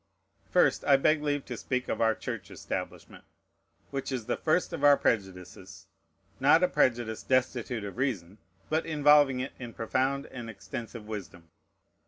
First I beg leave to speak of our Church Establishment, which is the first of our prejudices, not a prejudice destitute of reason, but involving in it profound and extensive wisdom.